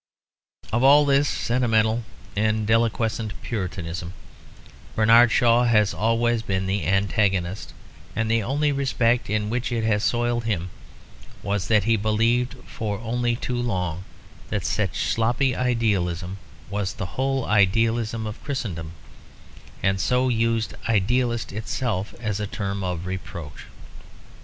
Of all this sentimental and deliquescent Puritanism Bernard Shaw has always been the antagonist; and the only respect in which it has soiled him was that he believed for only too long that such sloppy idealism was the whole idealism of Christendom and so used "idealist" itself as a term of reproach.